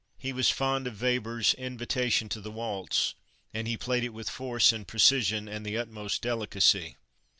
He was fond of Weber's "Invitation to the Waltz," and he played it with force and precision and the utmost delicacy.